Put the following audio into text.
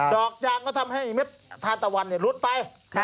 อกยางก็ทำให้เม็ดทานตะวันหลุดไป